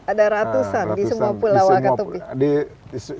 ada ratusan di semua pulau wakatobi